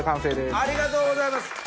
ありがとうございます。